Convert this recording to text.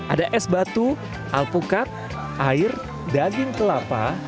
ada es batu alpukat air daging kelapa